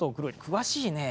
詳しいね。